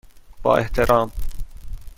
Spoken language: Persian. با احترام،